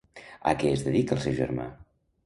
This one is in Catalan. A què es dedica el seu germà?